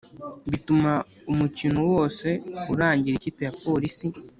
bituma umukino wose urangira ikipe ya polisi